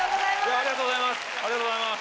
ありがとうございます。